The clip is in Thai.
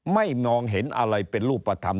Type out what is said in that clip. มองเห็นอะไรเป็นรูปธรรม